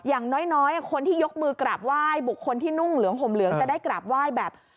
อย่างน้อยคนที่ยกมือกราบไหว้บุคคลที่นุ่งเหลืองห่มเหลืองจะได้กราบไหว้แบบ